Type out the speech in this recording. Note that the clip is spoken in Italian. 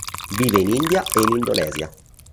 Vive in India e in Indonesia.